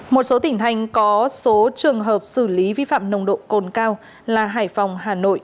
một số tỉnh thành có số trường hợp xử lý vi phạm nồng độ cồn cao là hải phòng hà nội